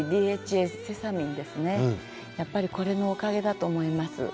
やっぱりこれのおかげだと思います。